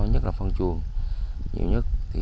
anh ta lại không hoàn toàn lấy hai